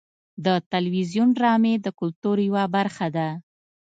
د تلویزیون ډرامې د کلتور یوه برخه ده.